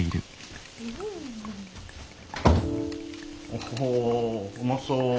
おうまそう。